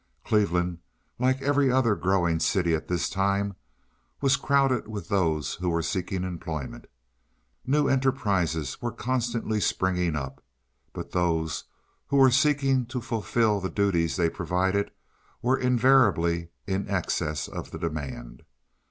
Cleveland, like every other growing city at this time, was crowded with those who were seeking employment. New enterprises were constantly springing up, but those who were seeking to fulfil the duties they provided were invariably in excess of the demand.